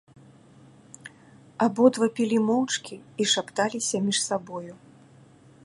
Абодва пілі моўчкі і шапталіся між сабою.